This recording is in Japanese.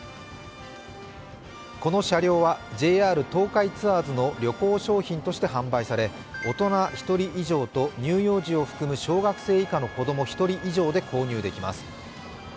この車両はＪＲ東海ツアーズの旅行商品として販売され、大人１人以上と乳幼児を含む小学生以下の子供１人以上で購入できます。